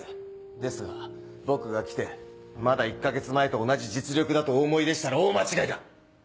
ですが僕が来てまだ１か月前と同じ実力だとお思いでしたら大間違いだ！